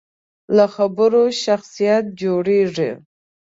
له خبرو شخصیت جوړېږي.